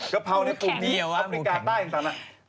กะเพราในปุ่มนี้อัพริกาใต้อย่างต่างนั้น